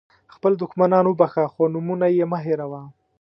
خپل دښمنان وبخښه خو نومونه یې مه هېروه.